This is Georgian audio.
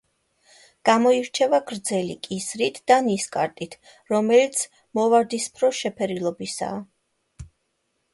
გამოირჩევა გრძელი კისრით და ნისკარტით, რომელიც მოვარდისფრო შეფერილობისაა.